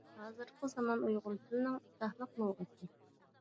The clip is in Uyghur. ھازىرقى زامان ئۇيغۇر تىلىنىڭ ئىزاھلىق لۇغىتى